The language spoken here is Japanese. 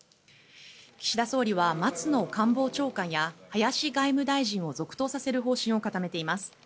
岸田総理は松野官房長官や林外務大臣を続投させる方針を固めています。